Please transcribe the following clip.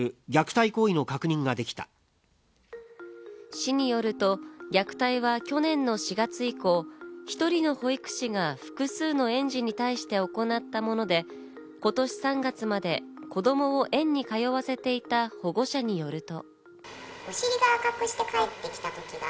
市によると、虐待は去年の４月以降、１人の保育士が複数の園児に対して行ったもので、今年３月まで子供を園に通わせていた保護者によると。